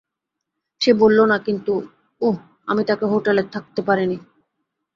সে বলল না, কিন্তু উহ, আমি তাকে হোটেলে থাকতে পারিনি।